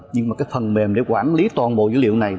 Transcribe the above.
nhưng mà cái phần mềm để quản lý toàn bộ dữ liệu này